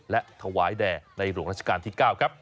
และถวายแด่ในโรงราชการที่๙